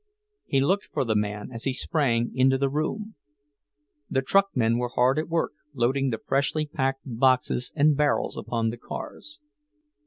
He looked for the man as he sprang into the room. The truckmen were hard at work, loading the freshly packed boxes and barrels upon the cars.